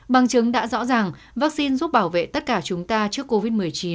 bằng chứng đã rõ ràng vaccine giúp bảo vệ tất cả chúng ta trước covid một mươi chín